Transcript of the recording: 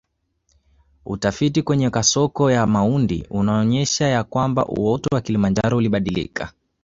Utafiti kwenye kasoko ya Maundi umeonyesha ya kwamba uoto wa Kilimanjaro ulibadilika